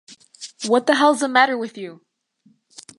What the hell's the matter with you?